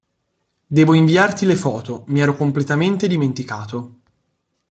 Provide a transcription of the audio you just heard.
Devo inviarti le foto, mi ero completamente dimenticato.